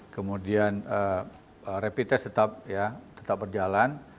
kemudian rapid test tetap berjalan